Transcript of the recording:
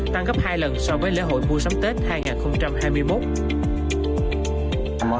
tăng gấp hai lần so với lễ hội mua sắm tết hai nghìn hai mươi một